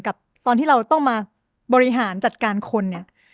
กับตอนที่เราต้องมาบริหารจัดการคนเนี่ย